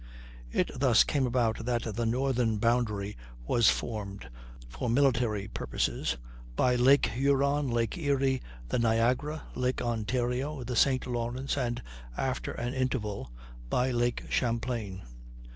It thus came about that the northern boundary was formed, for military purposes, by Lake Huron, Lake Erie, the Niagara, Lake Ontario, the St. Lawrence, and, after an interval, by Lake Champlain.